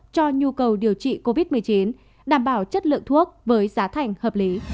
cho nhu cầu điều trị covid một mươi chín đảm bảo chất lượng thuốc với giá thành hợp lý